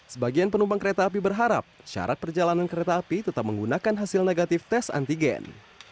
sebagian penumpang kereta api berharap syarat perjalanan kereta api tetap menggunakan hasil negatif tes antigen